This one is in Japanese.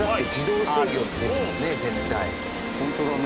ホントだね。